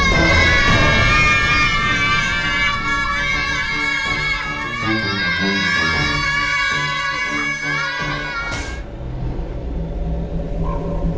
buka buka buka